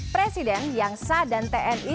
presiden yang sah dan tni